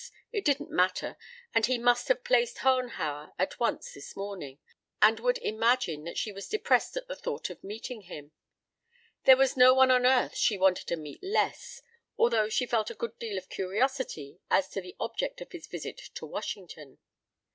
It didn't matter, and he must have "placed" Hohenhauer at once this morning, and would imagine that she was depressed at the thought of meeting him. There was no one on earth she wanted to meet less, although she felt a good deal of curiosity as to the object of his visit to Washington.